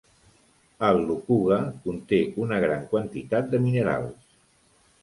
El Lukuga conté una gran quantitat de minerals.